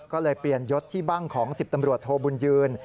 ก็เลยเปลี่ยนยศที่บ้างของ๑๐ตำรวจโทบุญยืน